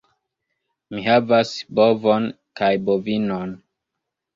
Mi havas bovon kaj bovinon.